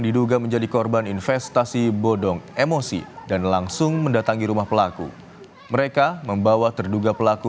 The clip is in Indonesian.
incorporasi investasi bodong itu yang dirutut masalah dengan rumah pelaku terrific